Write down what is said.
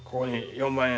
４万円？